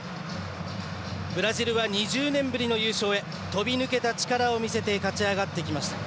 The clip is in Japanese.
ブラジルは２０年ぶりの優勝へ飛び抜けた力を見せて勝ち上がってきました。